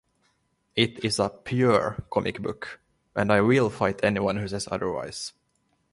It is a "pure" comic book, and I will fight anyone who says otherwise.